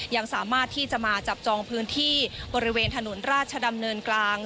ยังสามารถที่จะมาจับจองพื้นที่บริเวณถนนราชดำเนินกลาง